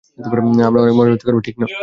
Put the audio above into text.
আমরা অনেক মৌজ-মাস্তি করব, ঠিক না?